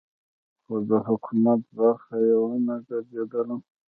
خو د حکومت برخه یې ونه ګرځېدلم.